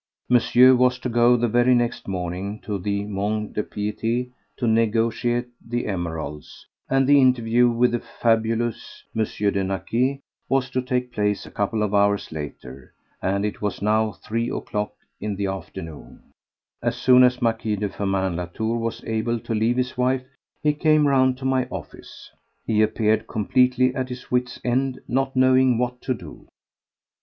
Monsieur was to go the very next morning to the Mont de Piété to negotiate the emeralds, and the interview with the fabulous M. de Naquet was to take place a couple of hours later; and it was now three o'clock in the afternoon. As soon as M. de Firmin Latour was able to leave his wife, he came round to my office. He appeared completely at his wits' end, not knowing what to do.